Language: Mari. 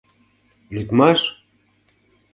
Лӱдмаш?..